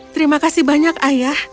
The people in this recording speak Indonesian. terima kasih banyak ayah